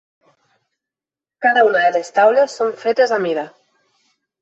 Cada una de les taules són fetes a mida.